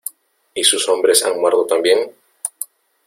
¿ y sus hombres han muerto también?